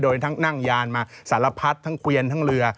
โดยทั้งนั่งยานมาสารพัดทั้งเกวียนทั้งเรือ